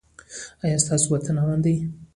ایا ستاسو وطن امن دی؟